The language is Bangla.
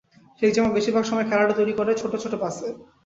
শেখ জামাল বেশির ভাগ সময় খেলাটা তৈরি করে ছোট ছোট পাসে।